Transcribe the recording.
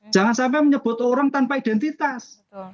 jangan sampai menyebut orang tanpa identitas